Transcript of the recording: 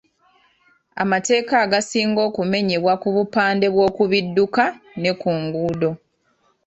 Amateeka agasinga okumenyebwa ku bupande bw’oku bidduka ne ku nguudo.